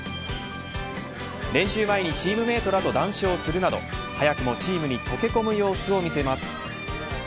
練習前にチームメートらと談笑するなど早くもチームに溶け込む様子を見せます。